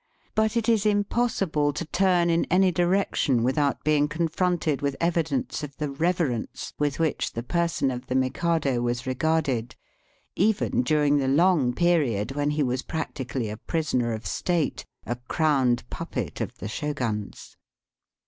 But it is im possible to turn in any direction without being confronted with evidence of the reverence with which the person of the Mikado was regarded, even during the long period when he was practically a prisoner of state, a crowned puppet of the Shoguns.